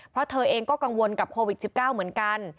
เพราะเธอเองก็กังวลกับโควิด๑๙เหมือนกัน